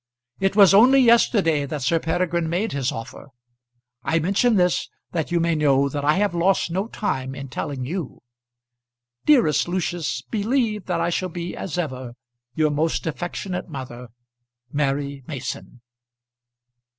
It was only yesterday that Sir Peregrine made his offer. I mention this that you may know that I have lost no time in telling you. Dearest Lucius, believe that I shall be as ever Your most affectionate mother, MARY MASON.